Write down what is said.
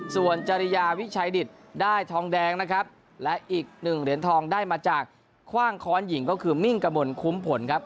ส่วนจริยาวิชัยดิตได้ทองแดงนะครับและอีกหนึ่งเหรียญทองได้มาจากคว่างค้อนหญิงก็คือมิ่งกระมวลคุ้มผลครับ